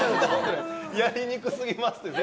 やりにくすぎますって。